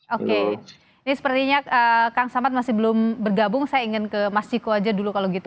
oke ini sepertinya kang samad masih belum bergabung saya ingin ke mas ciko aja dulu kalau gitu